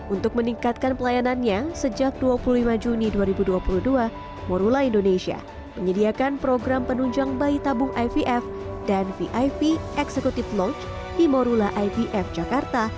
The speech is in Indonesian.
untuk meningkatkan pelayanannya sejak dua puluh lima juni dua ribu dua puluh dua morula indonesia menyediakan program penunjang bayi tabung ivf dan vip executive lounge di morula ibf jakarta